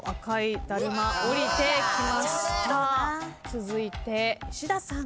続いて石田さん。